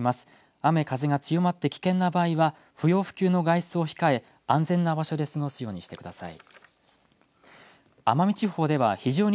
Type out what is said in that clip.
雨風が強まって危険な場合は不要不急の外出を控え安全な場所で過ごすようにしてください。